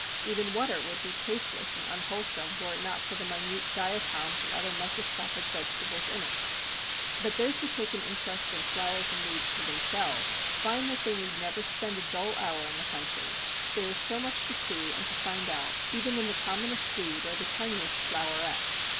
Even water would be tasteless and unwholesome were it not for the minute diatoms and other microscopic vegetables in it. But those who take an interest in flowers and leaves for themselves, find that they need never spend a dull hour in the country. There is so much to see and to find out, even in the commonest weed or the tiniest floweret.